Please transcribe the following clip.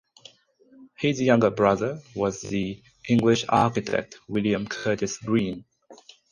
His younger brother was the English architect William Curtis Green.